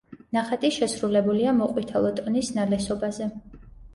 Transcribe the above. ნახატი შესრულებულია მოყვითალო ტონის ნალესობაზე.